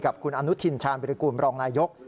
กับคุณอนุทินชาญวิริกูลบรองนายก